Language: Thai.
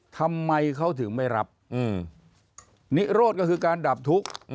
ทำไมเขาถึงไม่รับนิโรธก็คือการดับทุกข์